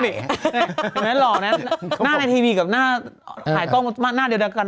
เหมือนไงหล่อหน้าในทีวีกับหน้าหายกล้องกำลังหน้าเดียวกัน